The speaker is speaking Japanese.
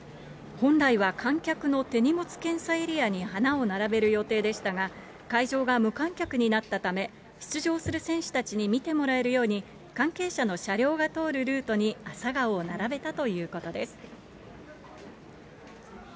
本来は観客の手荷物検査エリアに花を並べる予定でしたが、会場が無観客になったため、出場する選手たちに見てもらえるように、関係者の車両が通るルートにアサガオを並べたということです。